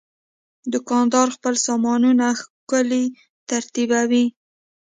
دوکاندار خپل سامانونه ښکلي ترتیبوي.